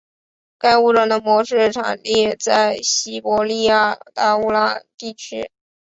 该物种的模式产地在西伯利亚达乌尔地区。